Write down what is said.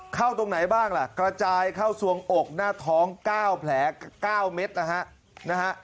ตรงไหนบ้างล่ะกระจายเข้าสวงอกหน้าท้อง๙แผล๙เมตรนะฮะ